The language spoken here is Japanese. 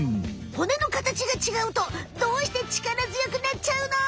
骨の形が違うとどうして力強くなっちゃうの？